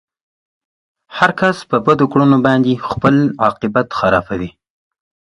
هر کس په بدو کړنو باندې خپل عاقبت خرابوي.